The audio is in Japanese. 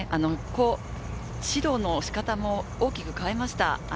指導の仕方も大きく変えました。